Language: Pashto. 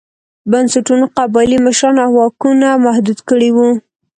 بنسټونو قبایلي مشرانو واکونه محدود کړي وو.